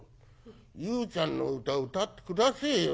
裕ちゃんの歌歌って下せえよ」。